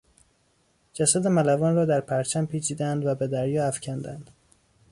جسد ملوان را در پرچم پیچیدند و به دریا افکندند.